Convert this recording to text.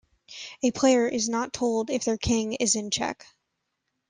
A player is not told if their king is in check.